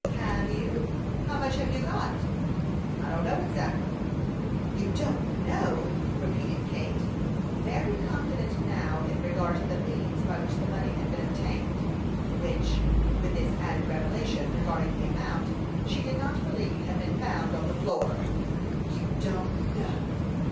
"Have you? How much have you got?" "I don't know exactly." "You don't know!" repeated Kate, very confident now in regard to the means by which the money had been obtained, which, with this added revelation regarding the amount, she did not believe had been found on the floor. "You don't know!"